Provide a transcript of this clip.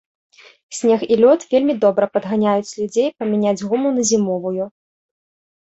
Снег і лёд вельмі добра падганяюць людзей, памяняць гуму на зімовую.